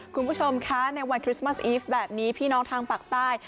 คุณผู้ชมคะในวันคริสต์มัสอีฟแบบนี้พี่น้องทางปากใต้